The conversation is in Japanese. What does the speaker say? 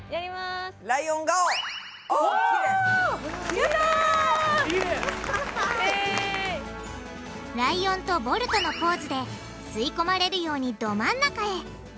ライオンとボルトのポーズで吸い込まれるようにど真ん中へ！